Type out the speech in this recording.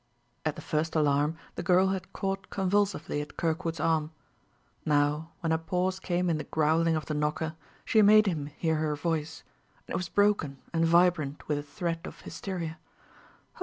At the first alarm the girl had caught convulsively at Kirkwood's arm. Now, when a pause came in the growling of the knocker, she made him hear her voice; and it was broken and vibrant with a threat of hysteria.